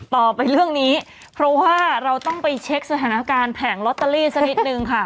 ต่อไปเรื่องนี้เพราะว่าเราต้องไปเช็คสถานการณ์แผงลอตเตอรี่สักนิดนึงค่ะ